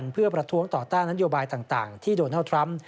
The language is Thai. เพื่อประท้วงต่อต้านนโยบายต่างที่โดนัลดทรัมป์